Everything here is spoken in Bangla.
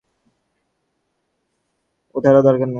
চিৎকার করে উঠলাম, মোরেলা, মোরেলা, তুমি কী করে তা জানলে?